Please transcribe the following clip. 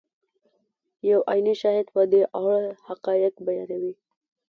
یو عیني شاهد په دې اړه حقایق بیانوي.